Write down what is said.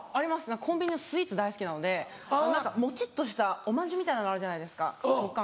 コンビニのスイーツ大好きなのでもちっとしたおまんじゅうみたいなのがあるじゃないですか食感。